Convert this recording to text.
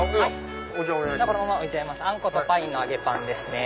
あんことパインの揚げパンですね。